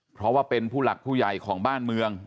เพราะว่าเป็นผู้หลักผู้ใหญ่ของบ้านเมือง